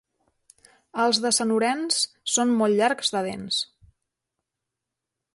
Els de Sant Orenç són molt llargs de dents.